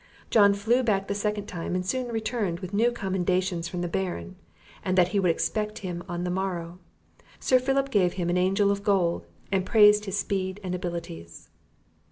John flew back the second time, and soon returned with new commendations from the Baron, and that he would expect him on the morrow. Sir Philip gave him an angel of gold, and praised his speed and abilities.